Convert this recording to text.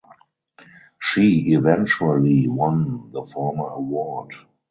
She eventually won the former award.